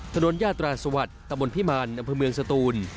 ถนนยาตราสวัสดิ์ตะบนพิมารอำเภอเมืองสตูน